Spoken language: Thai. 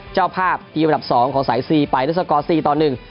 เจ้าภาพทีมอันดับสองของสายซีไปด้วยสกอร์สี่ต่อหนึ่ง